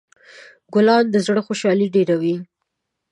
ګلان د زړه خوشحالي ډېروي.